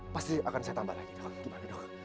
pasti akan saya tambah lagi dok